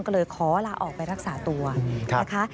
ก็เลยขอลาออกไปรักษาตัวนะคะ